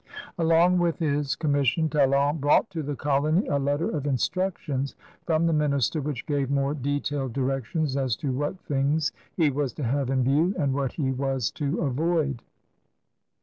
'' Alpng with his commission Talon brought to the colony a letter of instructions from the minister which gave more detailed directions as to what things he was to have in view and what he was to avoid.